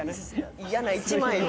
嫌な１枚を。